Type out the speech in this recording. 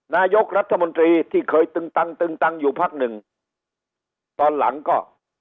นายกรัฐมนตรีที่เคยตึงตังตึงตังอยู่พักหนึ่งตอนหลังก็